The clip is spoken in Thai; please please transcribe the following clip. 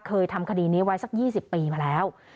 เคยทำคดีนี้ไว้สัก๒๐ปีมาแล้ว